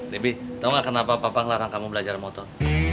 debbie tahu nggak kenapa papa ngelarang kamu belajar motor